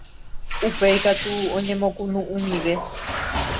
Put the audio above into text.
Upéi katu oñemokunu'ũmive